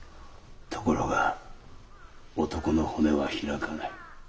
ところが男の骨は開かない。